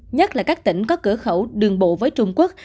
nhất là các tỉnh có cửa khẩu đường bộ với trung quốc